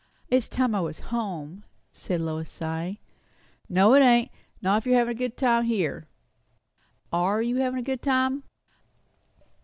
"It's time I was home!" said Lois, sighing. "No, it ain't, not if you're havin' a good time here. Are you havin' a good time?"